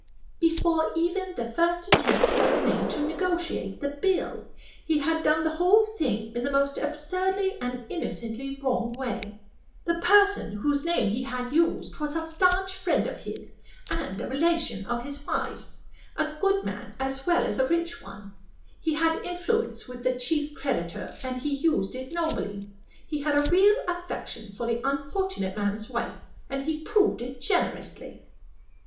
"Before even the first attempt was made to negotiate the bill. He had done the whole thing in the most absurdly and innocently wrong way. The person whose name he had used was a stanch friend of his, and a relation of his wife's a good man as well as a rich one. He had influence with the chief creditor, and he used it nobly. He had a real affection for the unfortunate man's wife, and he proved it generously."